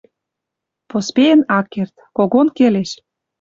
Поспеен ак керд. Когон келеш